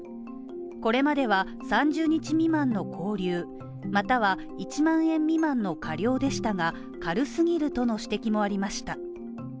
これまでは３０日未満の拘留、または１万円未満の科料でしたが、軽すぎるとの指摘もありました。